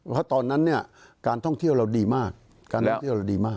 เพราะตอนนั้นการท่องเที่ยวเราดีมาก